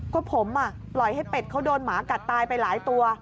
ก็ผมปล่อยให้เป็ดเขาโดนหมากัดตายไปหลายตัว